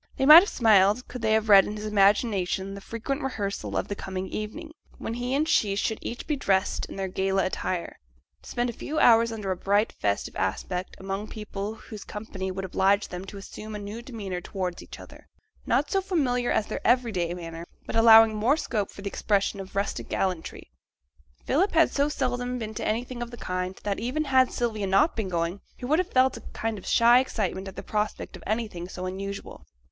They might have smiled could they have read in his imagination the frequent rehearsals of the coming evening, when he and she should each be dressed in their gala attire, to spend a few hours under a bright, festive aspect, among people whose company would oblige them to assume a new demeanour towards each other, not so familiar as their every day manner, but allowing more scope for the expression of rustic gallantry. Philip had so seldom been to anything of the kind, that, even had Sylvia not been going, he would have felt a kind of shy excitement at the prospect of anything so unusual.